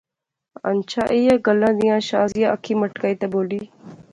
ہنچھا ایہہ گلاں دیاں، شازیہ اکھی مٹکائی تے بولی